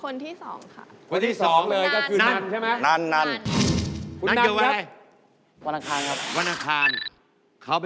นี่บอกว่ารวยก่อนแล้ว